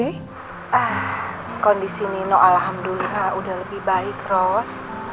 ah kondisi nino alhamdulillah udah lebih baik ros